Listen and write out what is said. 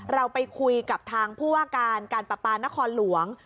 เราไปคุยกับทางผู้ว่าการการประปานครหลวง